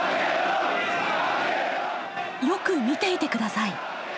よく見ていてください！